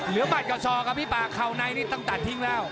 เหลือบัตรกับซอกครับพี่ปากเข้าในนี่ตั้งแต่ทิ้งแล้ว